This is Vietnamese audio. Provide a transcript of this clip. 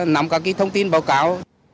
nắm các cái thông tin báo cáo